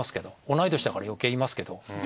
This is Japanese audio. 同い年だから余計言いますけど。